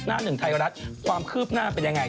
หน้าหนึ่งไทยรัฐความคืบหน้าเป็นยังไง